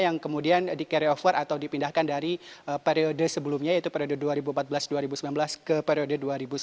yang kemudian di carryover atau dipindahkan dari periode sebelumnya yaitu periode dua ribu empat belas dua ribu sembilan belas ke periode dua ribu sembilan belas dua ribu sembilan